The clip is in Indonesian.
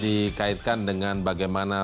dikaitkan dengan bagaimana